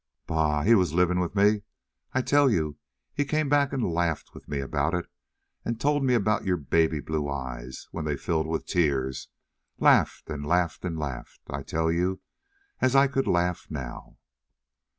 "Bah! He was living with me. I tell you, he came back and laughed with me about it, and told me about your baby blue eyes when they filled with tears; laughed and laughed and laughed, I tell you, as I could laugh now."